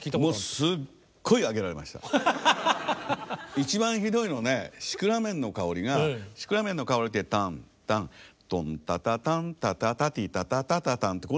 一番ひどいのはね「シクラメンのかほり」が「シクラメンのかほり」ってタンタントンタタタンタタタティタタタタタンってこのくらいなんですよ。